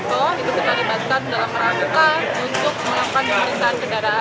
itu terlibatkan dalam rangka untuk melakukan perlisahan kendaraan bermotor